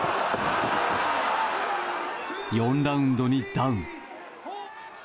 ４ラウンドにダウン。